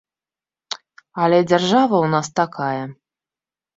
Але дзяржава ў нас такая.